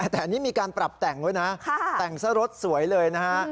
แต่อันนี้มีการปรับแต่งด้วยนะแต่งซะรถสวยเลยนะฮะ